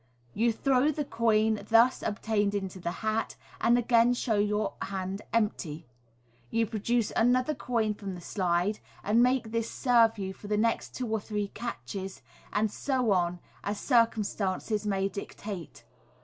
You throw the coin thus obtained into the hat, and again show your hand empty. You produce another coin from the slide, and make this serve you for the next two or three catches, and so on, as circumstances may dictate.